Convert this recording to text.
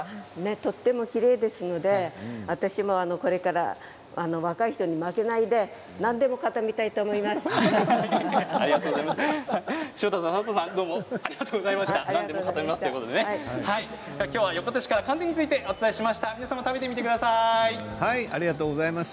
とてもきれいですので私もこれから若い人に負けないで何でも固めたいと思います。